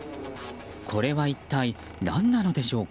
これは一体何なのでしょうか。